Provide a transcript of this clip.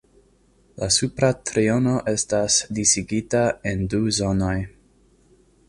La supra triono estas disigita en du zonoj.